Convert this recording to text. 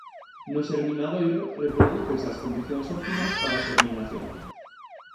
No xerminadoiro reprodúcense as condicións óptimas para a xerminación.